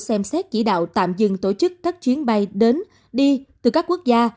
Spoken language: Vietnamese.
bộ y tế đã chỉ đạo tạm dừng tổ chức các chuyến bay đến đi từ các quốc gia